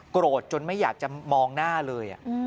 จนไม่อยากจะมองหน้าเลย